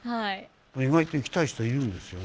意外と行きたい人いるんですよね。